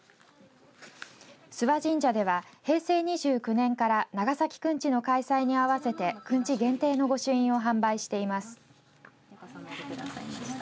諏訪神社では平成２９年から長崎くんちの開催に合わせてくんち限定の御朱印を販売しています。